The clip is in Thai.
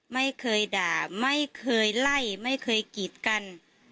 ไม่เคยด่าไม่เคยไล่ไม่เคยกีดกัน